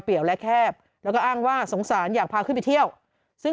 และแคบแล้วก็อ้างว่าสงสารอยากพาขึ้นไปเที่ยวซึ่ง